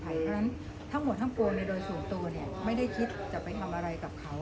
เพราะฉะนั้นทั้งหมดทั้งปวงในโดยส่วนตัวไม่ได้คิดจะไปทำอะไรกับเขา